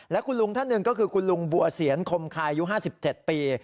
และคุณลุงท่านหนึ่งก็คือคุณลุงบัวเสียนคมคายอายุ๕๗ปี